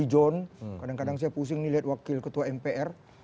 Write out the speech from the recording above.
john kadang kadang saya pusing nih lihat wakil ketua mpr